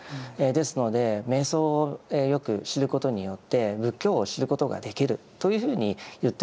ですので瞑想をよく知ることによって仏教を知ることができるというふうに言っても過言ではありません。